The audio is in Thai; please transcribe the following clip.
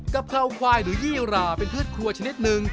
กะเพราควายหรือยี่หราเป็นพืชครัวชนิดหนึ่ง